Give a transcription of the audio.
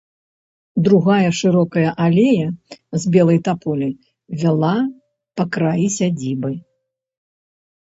Другая шырокая алея з белай таполі вяла па краі сядзібы.